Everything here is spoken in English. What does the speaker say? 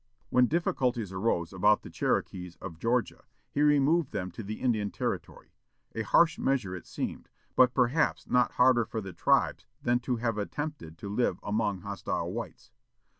When difficulties arose about the Cherokees of Georgia, he removed them to the Indian Territory; a harsh measure it seemed, but perhaps not harder for the tribes than to have attempted to live among hostile whites.